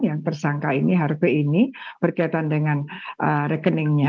yang tersangka ini hrb ini berkaitan dengan rekeningnya